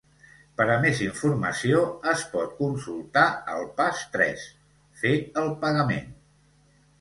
Per a més informació, es pot consultar el pas tres "Fer el pagament".